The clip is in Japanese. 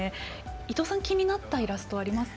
伊藤さん、気になったイラストはありますか？